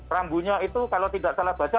rambunya itu kalau tidak salah baca